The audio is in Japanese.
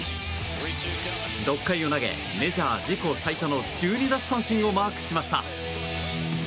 ６回を投げメジャー自己最多の１２奪三振をマークしました。